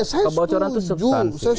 kebocoran itu subsansi